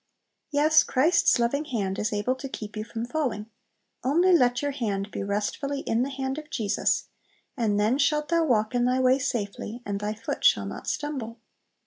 Yes, Christ's loving hand is "able to keep you from falling;" only "let your hand be restfully in the hand of Jesus," and "then shalt thou walk in thy way safely, and thy foot shall not stumble."